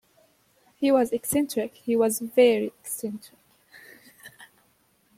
He was eccentric — he was very eccentric.